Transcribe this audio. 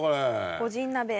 個人鍋。